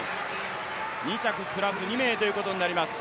２着プラス２名ということになります。